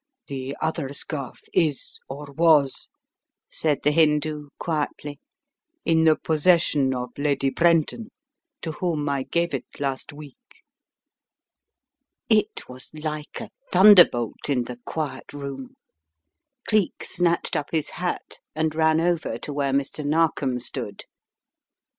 "The other scarf is, or was," said the Hindoo, quietly, "in the possession of Lady Brenton, to whom I gave it last week!" It was like a thunderbolt in the quiet room. Cleek snatched up his hat and ran over to where Mr. Nar kom stood.